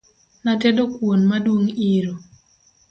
Natedo kuon ma dung' iro